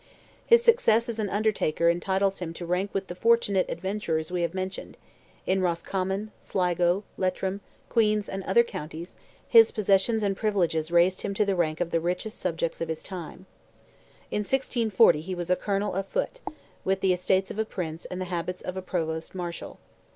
His success as an Undertaker entitles him to rank with the fortunate adventurers we have mentioned; in Roscommon, Sligo, Leitrim, Queen's, and other counties, his possessions and privileges raised him to the rank of the richest subjects of his time. In 1640 he was a colonel of foot, with the estates of a Prince and the habits of a Provost Marshal.